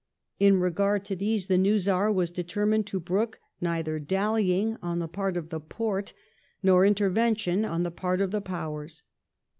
In regard to these, the new Czar was determined to brook neither dallying on the part of the Porte nor intervention on the part of the Powers.